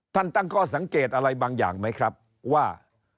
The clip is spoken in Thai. ตั้งข้อสังเกตอะไรบางอย่างไหมครับว่า